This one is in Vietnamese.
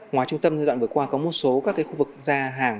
ngoài trung tâm giai đoạn vừa qua có một số các khu vực ra hàng